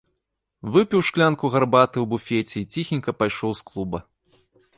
Выпіў шклянку гарбаты ў буфеце і ціхенька пайшоў з клуба.